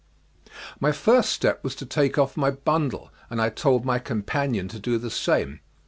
My first step was to take off my bundle, and I told my companion to do the same.